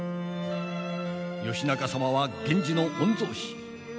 義仲様は源氏の御曹司。